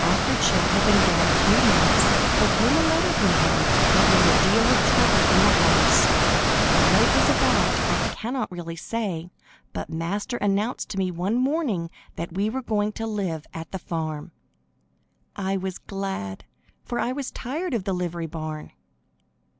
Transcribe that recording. After Chet had been gone a few months there came a letter from him that made a deal of trouble in the house. What it was about I cannot really say, but Master announced to me one morning that we were going to live at the farm. I was glad, for I was tired of the livery barn.